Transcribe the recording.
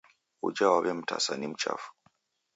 Uja w'aw'emtasa ni mchafu.